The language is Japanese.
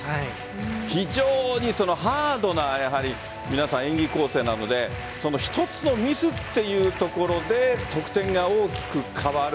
非常に、そのハードな皆さん演技構成なのでその１つのミスというところで得点が大きく変わる。